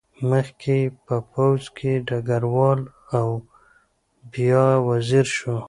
مخکې یې په پوځ کې ډګروال و او بیا وزیر شو.